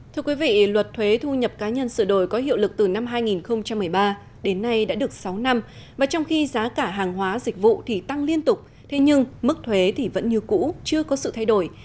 thưa quý vị luật thuế thu nhập cá nhân sửa đổi có hiệu lực từ năm hai nghìn một mươi ba đến nay đã được sáu năm và trong khi giá cả hàng hóa dịch vụ thì tăng liên tục thế nhưng mức thuế thì vẫn như cũ chưa có sự thay đổi